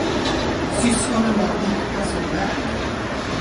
Syskonen var lika som bär.